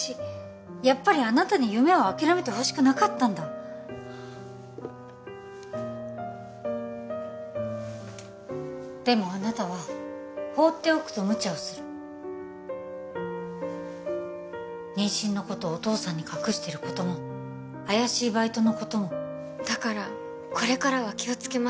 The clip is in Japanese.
やっぱりあなたに夢を諦めてほしくなかったんだでもあなたは放っておくとむちゃをする妊娠のことをお父さんに隠してることも怪しいバイトのこともだからこれからは気をつけます